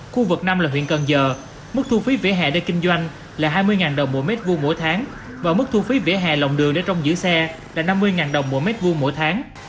khu vực năm là huyện cần giờ mức thu phí vỉa hè để kinh doanh là hai mươi ngàn đồng mỗi mét vu mỗi tháng và mức thu phí vỉa hè lòng đường để trông giữa xe là năm mươi ngàn đồng mỗi mét vu mỗi tháng